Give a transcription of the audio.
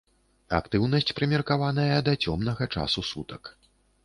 Актыўнасць прымеркаваная да цёмнага часу сутак.